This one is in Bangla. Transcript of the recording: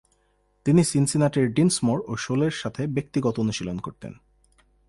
তিনি সিনসিনাটির ডিন্সমোর ও শোলের সাথে ব্যক্তিগত অনুশীলন করতেন।